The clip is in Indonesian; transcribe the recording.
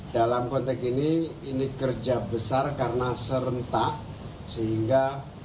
dalam konteks ini ini kerja besar karena serentak sehingga